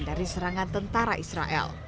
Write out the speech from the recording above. dari serangan tentara israel